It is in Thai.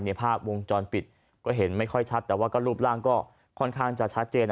ภาพวงจรปิดก็เห็นไม่ค่อยชัดแต่ว่าก็รูปร่างก็ค่อนข้างจะชัดเจน